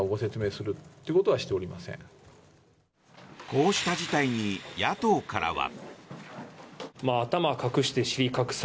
こうした事態に野党からは。